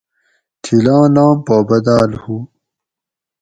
تھِل آں لام پا بداۤل ہُو